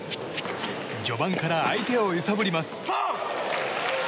序盤から相手を揺さぶります。